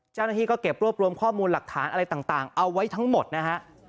เจ้าหน้าที่ก็เก็บรวบรวมข้อมูลหลักฐานอะไรต่างเอาไว้ทั้งหมดนะฮะ